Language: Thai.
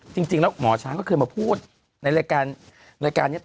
จริงแล้วหมอช้างก็เคยมาพูดในรายการ